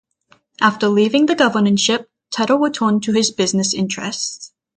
After leaving the governorship Tuttle returned to his business interests.